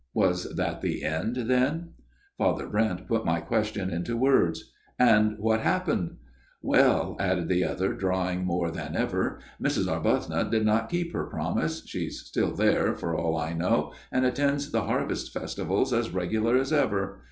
Was that the end, then ? Father Brent put my question into words. " And what happened ?"" Well," added the other, drawling more than ever, " Mrs. Arbuthnot did not keep her promise. She's there still, for all I know, and attends the Harvest Festivals as regular as ever.